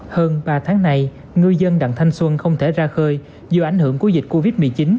hơn ba tháng nay ngư dân đặng thanh xuân không thể ra khơi do ảnh hưởng của dịch covid một mươi chín